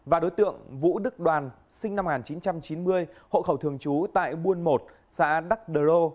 và đối tượng vũ đức đoàn sinh năm một nghìn chín trăm chín mươi hộ khẩu thường trú tại buôn một xã đắc đờ rô